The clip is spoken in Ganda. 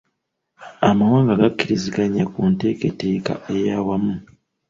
Amawanga gakkiriziganya ku nteeketeeka eyaawamu.